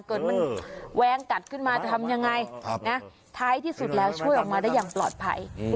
เกิดมันแวงกัดขึ้นมาจะทำยังไงท้ายที่สุดแล้วช่วยออกมาได้อย่างปลอดภัย